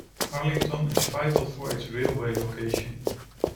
Arlington is vital for its railway location.